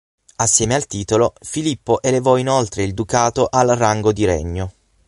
Assieme al titolo, Filippo elevò inoltre il ducato al rango di regno.